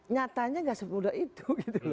nyatanya tidak semudah itu